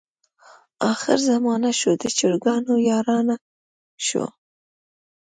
اخره زمانه شوه، د چرګانو یارانه شوه.